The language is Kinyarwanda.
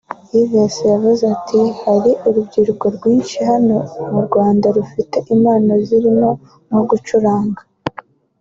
Hyves yagize ati “Hari urubyiruko rwinshi hano mu Rwanda rufite impano zirimo nko gucuranga